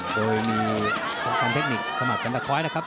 โดยมีประธานเทคนิคสมัครกันตะค้อยนะครับ